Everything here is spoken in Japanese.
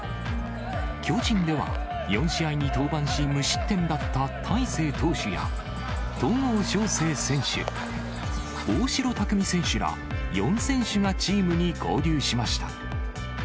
巨人では、４試合に登板し、無失点だった大勢投手や戸郷翔征選手、大城卓三選手ら、４選手がチームに合流しました。